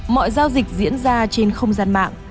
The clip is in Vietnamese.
mọi giao dịch diễn ra trên không gian mạng